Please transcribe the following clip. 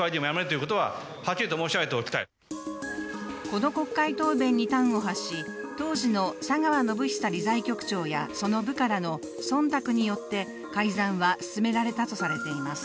この国会答弁に端を発し当時の佐川宣寿理財局長やその部下らの忖度によって改ざんは進められたとされています。